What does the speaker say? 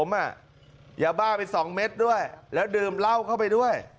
ผมอะอย่าบ้างไป๒เม็ดและดื่มเหล้าเข้าไปด้วย